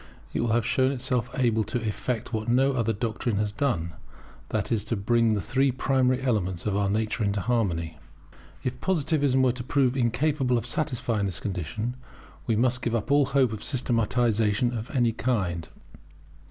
It will have shown itself able to effect what no other doctrine has done, that is, to bring the three primary elements of our nature into harmony. If Positivism were to prove incapable of satisfying this condition, we must give up all hope of systematization of any kind.